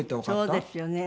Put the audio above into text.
そうですよね。